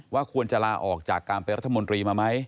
ว่าควรจะลาออกจากการเป็นรัฐมนตรีมาไหม